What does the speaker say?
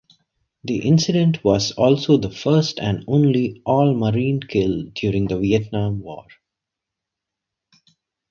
The incident was also the first and only all-Marine kill during the Vietnam War.